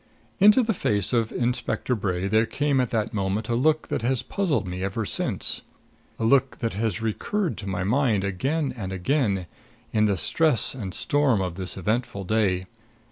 Into the face of Inspector Bray there came at that moment a look that has puzzling me ever since a look that has recurred to my mind again and again, in the stress and storm of this eventful day.